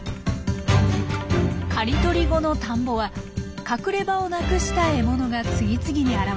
刈り取り後の田んぼは隠れ場をなくした獲物が次々に現れます。